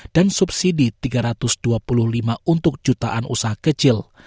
dan subsidi tiga ratus dua puluh lima untuk jutaan usaha kecil